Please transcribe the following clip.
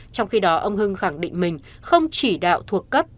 trong khi đó ông hưng khẳng định mình không chỉ đạo thuộc cấp